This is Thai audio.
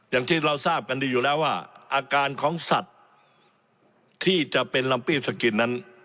อย่างที่เราทราบกันดีอยู่แล้วว่าอาการของสัตว์ที่จะเป็นลัมปีบสกินนั้น